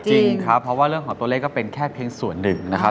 จริงครับเพราะว่าเรื่องของตัวเลขก็เป็นแค่เพียงส่วนหนึ่งนะครับ